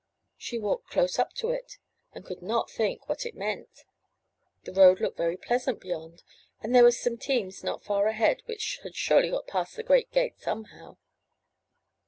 She walked close up to it, and could not think what it meant. The road looked very pleasant beyond, and there were some teams not far ahead which had surely got past the great gate somehow.